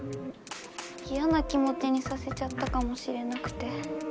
いやな気もちにさせちゃったかもしれなくて。